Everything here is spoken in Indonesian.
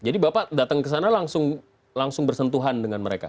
jadi bapak datang ke sana langsung bersentuhan dengan mereka